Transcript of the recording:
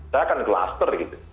saya akan cluster gitu